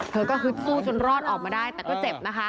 เธอก็ฮึดสู้จนรอดออกมาได้แต่ก็เจ็บนะคะ